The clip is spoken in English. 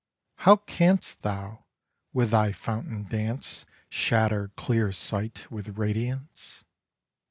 How canst thou, with thy fountain dance Shatter clear sight with radiance?